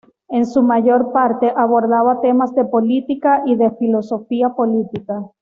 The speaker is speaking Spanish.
En su mayor parte, abordaba temas de política y de filosofía política.